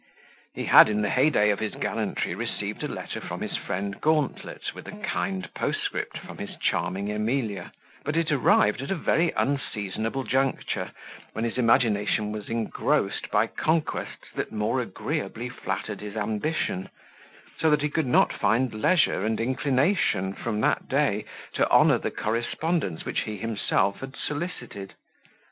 He had, in the heyday of his gallantry received a letter from his friend Gauntlet with a kind postscript from his charming Emilia; but it arrived at a very unseasonable juncture, when his imagination was engrossed by conquests that more agreeably flattered his ambition; so that he could not find leisure and inclination, from that day, to honour the correspondence which he himself had solicited.